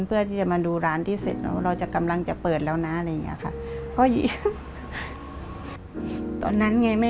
เพื่อที่จะมาดูร้านที่เสร็จว่าเรากำลังจะเปิดแล้วนะ